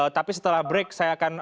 tapi setelah break saya akan